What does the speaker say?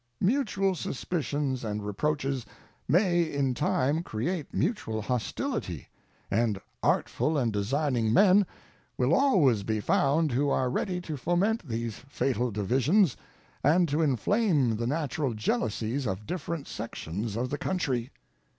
Mutual suspicions and reproaches may in time create mutual hostility, and artful and designing men will always be found who are ready to foment these fatal divisions and to inflame the natural jealousies of different sections of the country.